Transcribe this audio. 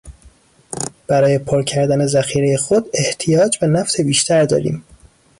برای پر کردن ذخیرهی خود احتیاج به نفت بیشتر داریم.